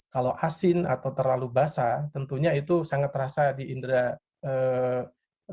kalau asin atau terlalu basah tentunya itu sangat terasa di indera